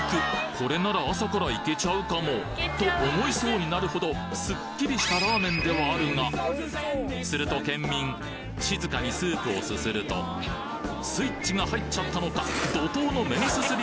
これなら朝からいけちゃうかもと思いそうになるほどスッキリしたラーメンではあるがすると県民静かにスープをすするとスイッチが入っちゃったのか怒涛の麺すすり